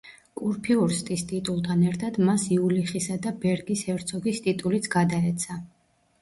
კურფიურსტის ტიტულთან ერთად მას იულიხისა და ბერგის ჰერცოგის ტიტულიც გადაეცა.